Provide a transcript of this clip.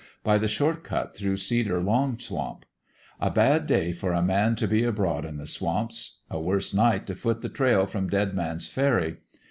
by the short cut through Cedar Long Swamp. A bad day for a man t' be abroad in the swamps : a worse night t' foot the trail from Dead Man's Ferry.